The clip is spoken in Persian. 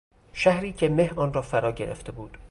شهری که مه آن را فراگرفته بود